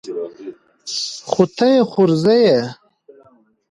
خو ته يې خورزه يې.